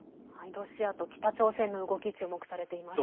ロシアと北朝鮮の動き注目されています。